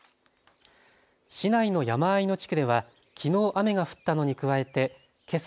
市内の山あいの地区ではきのう雨が降ったのに加えてけさ